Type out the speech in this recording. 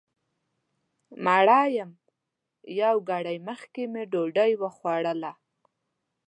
مړه یم یو ګړی مخکې مې ډوډۍ وخوړله